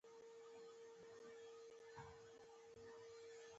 په دې ویش کې کسبګر له بزګر څخه جلا شو.